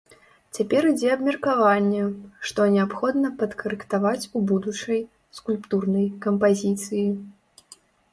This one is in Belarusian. Цяпер ідзе абмеркаванне, што неабходна падкарэктаваць у будучай скульптурнай кампазіцыі.